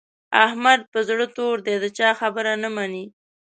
احمد پر زړه تور دی؛ د چا خبره نه مني.